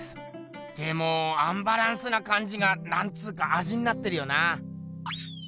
でもアンバランスなかんじがなんつうかあじになってるよな。